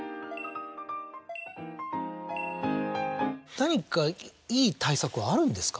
何かいい対策はあるんですか？